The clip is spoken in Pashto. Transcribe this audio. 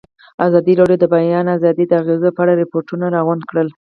ازادي راډیو د د بیان آزادي د اغېزو په اړه ریپوټونه راغونډ کړي.